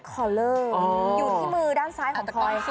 ที่มือด้านซ้ายของพลอยค่ะ